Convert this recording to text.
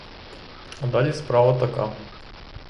А далі справа така.